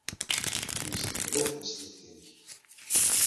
Temsed mliḥ tmesliwt-nnek.